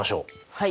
はい。